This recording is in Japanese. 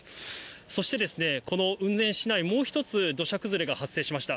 そして、この雲仙市内、もう一つ土砂崩れが発生しました。